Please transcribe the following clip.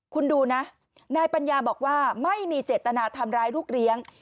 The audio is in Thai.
คุณดูนะนายปัญญาบอกว่าไม่มีเจตนาทำร้ายลูกเลี้ยง